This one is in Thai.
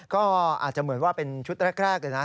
ก็อาจจะเหมือนว่าเป็นชุดแรกเลยนะ